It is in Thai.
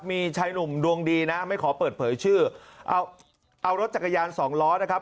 มีชายหนุ่มดวงดีนะไม่ขอเปิดเผยชื่อเอาเอารถจักรยานสองล้อนะครับ